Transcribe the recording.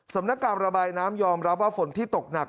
สำนักการระบายน้ำยอมรับว่าฝนที่ตกหนัก